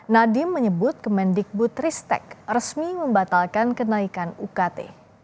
nadiem menyebut kemendikbud ristek resmi membatalkan kenaikan ukt